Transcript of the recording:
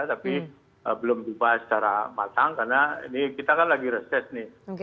tapi belum dibahas secara matang karena ini kita kan lagi reses nih